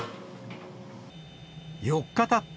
４日たった